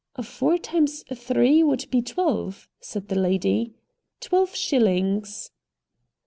"Four times three would be twelve," said the lady. "Twelve shillings."